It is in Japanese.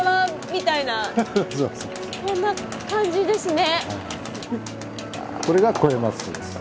そんな感じですね。